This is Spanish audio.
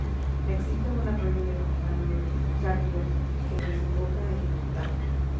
Existe un arroyo denominado del Carpio que desemboca en el Tajo.